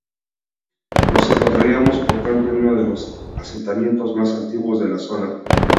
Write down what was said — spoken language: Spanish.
Nos encontraríamos por tanto en uno de los asentamientos más antiguos de la zona.